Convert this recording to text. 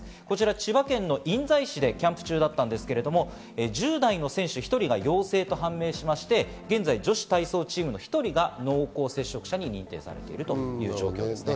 千葉県印西市でキャンプ中だったんですが１０代の選手１人が陽性と判明しまして現在、女子体操チームの１人が濃厚接触者に認定されているという状況です。